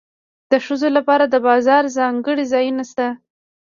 د ښځو لپاره د بازار ځانګړي ځایونه شته